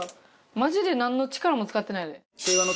マジでなんの力も使ってないで。